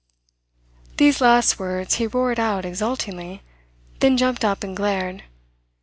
These last words he roared out exultingly, then jumped up and glared.